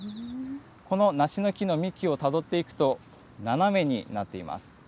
この梨の木の幹をたどっていくと、斜めになっています。